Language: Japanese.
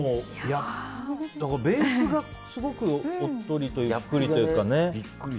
ベースがすごくおっとりというかね。